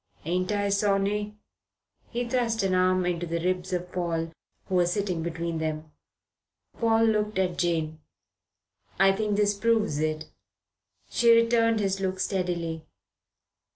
Ain't I, sonny?" He thrust an arm into the ribs of Paul, who was sitting between them. Paul looked at Jane. "I think this proves it." She returned his look steadily.